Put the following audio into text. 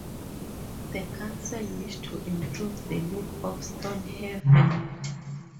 The council wish to "improve the look of Stonehaven".